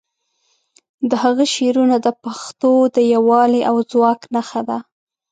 د هغه شعرونه د پښتو د یووالي او ځواک نښه دي.